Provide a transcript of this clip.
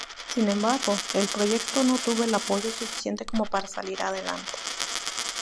Sin embargo el proyecto no tuvo el apoyo suficiente como para salir adelante.